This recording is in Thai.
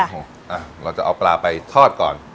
เราจะเอาปลาไปทอดก่อน